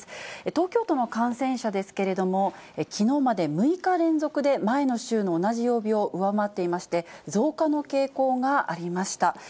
東京都の感染者ですけれども、きのうまで６日連続で前の週の同じ曜日を上回っていまして、増加の傾向がありました。